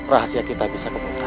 rahasia kita bisa kebuka